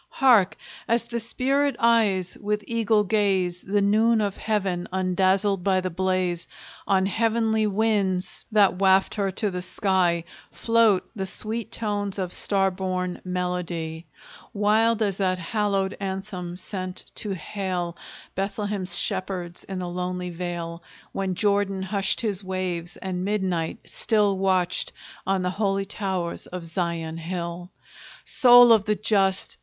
Hark! as the spirit eyes, with eagle gaze, The noon of Heaven undazzled by the blaze, On heavenly winds that waft her to the sky Float the sweet tones of star born melody; Wild as that hallowed anthem sent to hail Bethlehem's shepherds in the lonely vale, When Jordan hushed his waves, and midnight still Watched on the holy towers of Zion hill. Soul of the just!